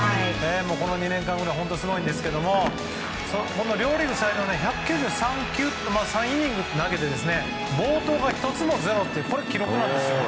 この２年間ぐらい本当にすごいんですけど両リーグ最多１９３イニング投げていて暴投がゼロというこれは記録なんですよ。